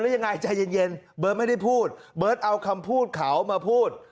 ยังไงใจเย็นเบิร์ตไม่ได้พูดเบิร์ตเอาคำพูดเขามาพูด